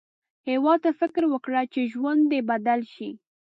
هیواد ته فکر وکړه، چې ژوند دې بدل شي